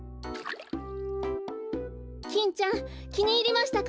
キンちゃんきにいりましたか？